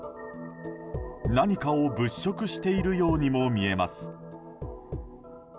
何かを物色しているようにも見えます。